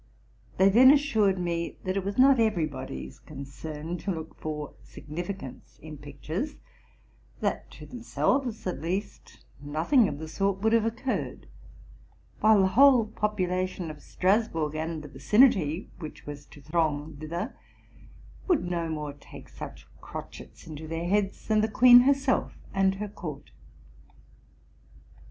'They then assured me that it was not everybody's concern to look for significance in pictures ; that to themselves, at least, nothing of the sort would have oc curred; while the whole population of Strasburg and the vicinity, which was to throng thither, would no more take such crotchets into their heads than the queen herself and her court.